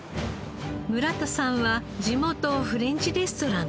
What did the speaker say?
村田さんは地元フレンチレストランのシェフ。